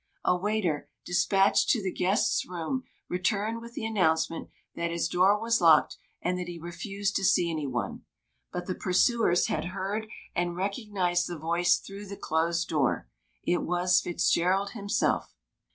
A waiter, despatched to the guest's room, returned with the announcement that his door was locked, and that he refused to see any one. But the pursuers had heard and recognised the voice through the closed door. It was Fitzgerald himself.